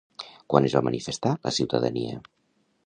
Quan es va manifestar la ciutadania?